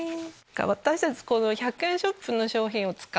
私たち。